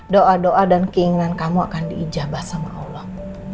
doa doa dan keinginan kamu akan diijabah sama allah